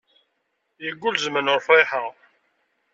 Yeggul zzman ur friḥeɣ.